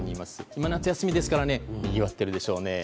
今、夏休みですからにぎわっているでしょうね。